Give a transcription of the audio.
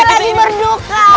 nih lagi berduka